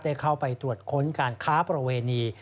ได้เข้าไปตรวจค้นการค้าประเวณี